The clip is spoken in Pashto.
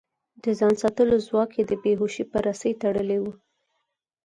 د ځان ساتلو ځواک يې د بې هوشۍ په رسۍ تړلی و.